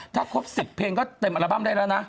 ถ้าครบ๑๐เพลงก็เต็มอัลบั้มได้แล้วนะ